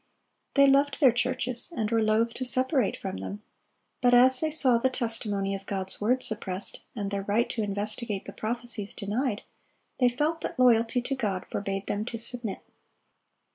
They loved their churches, and were loath to separate from them; but as they saw the testimony of God's word suppressed, and their right to investigate the prophecies denied, they felt that loyalty to God forbade them to submit.